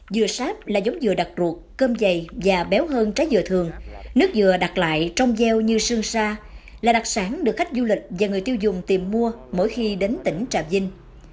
dừa sáp là giống dừa đặc ruột cơm dày và béo hơn trái dừa thường nước dừa đặt lại trong gieo như sương sa là đặc sản được khách du lịch và người tiêu dùng tìm mua mỗi khi đến tỉnh trà vinh